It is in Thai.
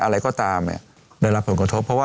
อะไรก็ตามเนี่ยได้รับผลกระทบ